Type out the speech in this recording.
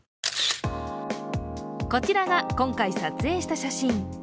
こちらが今回撮影した写真。